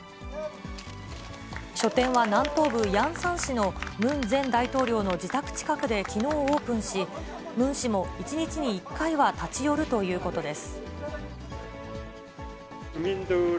書店は南東部、ヤンサン市のムン前大統領の自宅近くできのうオープンし、ムン氏も１日に１回は立ち寄るということです。